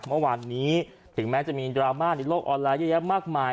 เมื่อวานนี้ถึงแม้จะมีดราม่าในโลกออนไลน์เยอะแยะมากมาย